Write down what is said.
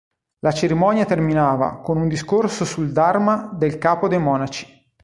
La cerimonia terminava con un discorso sul Dharma del capo dei monaci.